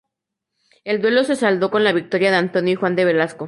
El duelo se saldó con la victoria de Antonio y Juan de Velasco.